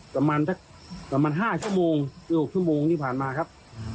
ประมาณ๕๖ชั่วโมงที่ผ่านมาครับ